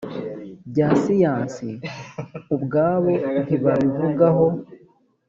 bya siyansi ubwabo ntibabivugaho